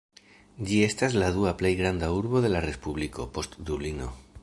Ĝi estas la dua plej granda urbo de la respubliko, post Dublino.